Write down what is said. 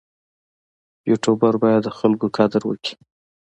یوټوبر باید د خلکو قدر وکړي.